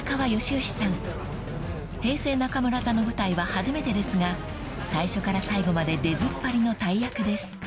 ［平成中村座の舞台は初めてですが最初から最後まで出ずっぱりの大役です］